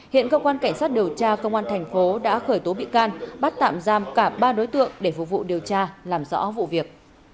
hiện cơ quan cảnh sát điều tra công an thành phố đã khởi tố bị can bắt tạm giam cả ba đối tượng để phục vụ điều tra làm rõ vụ việc